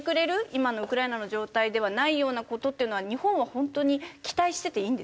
今のウクライナの状態ではないような事っていうのは日本は本当に期待してていいんですか？